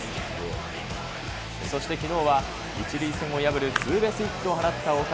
そしてきのうは、１塁線を破るツーベースヒットを放った大谷。